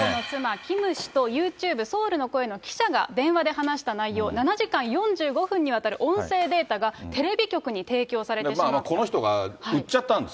妻、キム氏とユーチューブ、ソウルの声の記者が電話で話した内容、７時間４５分にわたる音声データが、テレビ局に提供されてしまった。